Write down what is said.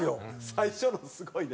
最初のすごいね。